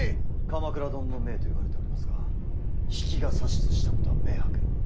鎌倉殿の命と言われておりますが比企が指図したことは明白。